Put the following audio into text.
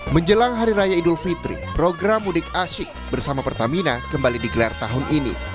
menjelang hari raya idul fitri program mudik asyik bersama pertamina kembali digelar tahun ini